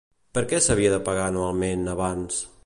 Per què s'havia de pagar anualment, abans?